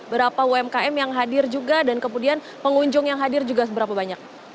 berapa umkm yang hadir juga dan kemudian pengunjung yang hadir juga berapa banyak